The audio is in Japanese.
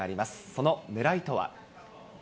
そのねらいとは。